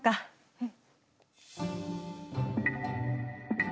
うん。